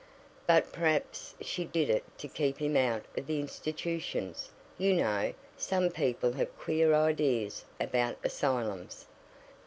"But perhaps she did it to keep him out of the institutions. You know, some people have queer ideas about asylums."